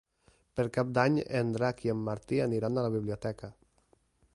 Per Cap d'Any en Drac i en Martí aniran a la biblioteca.